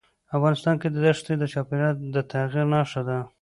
افغانستان کې دښتې د چاپېریال د تغیر نښه ده.